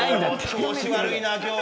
調子悪いな今日は。